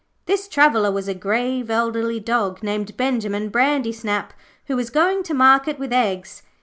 This traveller was a grave, elderly dog named Benjimen Brandysnap, who was going to market with eggs.